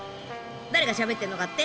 誰がしゃべってんのかって？